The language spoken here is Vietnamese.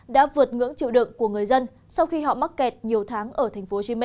đã vượt ngưỡng chịu đựng của người dân sau khi họ mắc kẹt nhiều tháng ở tp hcm